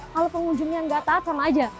kalau pengunjungnya nggak taat sama aja